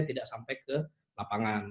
tidak sampai ke lapangan